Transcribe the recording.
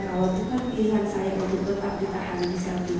kalau bukan pilihan saya untuk tetap ditahan di sel di